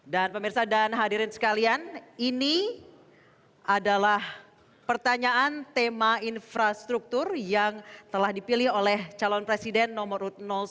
dan pemirsa dan hadirin sekalian ini adalah pertanyaan tema infrastruktur yang telah dipilih oleh calon presiden nomor satu